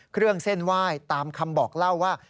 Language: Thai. เครื่องเส้นไหว้ตามคำบอกเล่าว่า